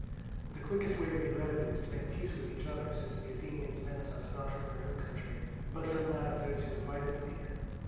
The quickest way to be rid of it is to make peace with each other; since the Athenians menace us not from their own country, but from that of those who invited them here.